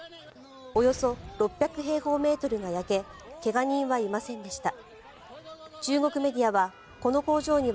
およそ６００平方メートルが焼け怪我人はいませんでした。